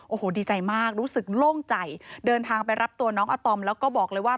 โอ้โหดีใจมากรู้สึกโล่งใจเดินทางไปรับตัวน้องอาตอมแล้วก็บอกเลยว่า